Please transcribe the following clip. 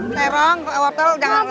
serong wapel jangan lupa